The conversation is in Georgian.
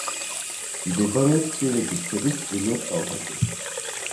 მდებარეობს თრიალეთის ქედის ჩრდილოეთ კალთაზე.